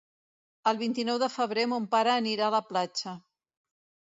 El vint-i-nou de febrer mon pare anirà a la platja.